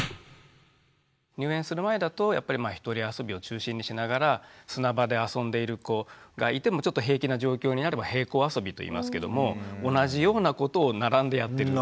入園する前だとやっぱりひとり遊びを中心にしながら砂場で遊んでいる子がいてもちょっと平気な状況になれば平行遊びといいますけども同じようなことを並んでやってる。